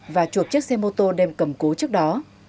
và chuộc chiếc xe mô tô đem cầm cố trước đó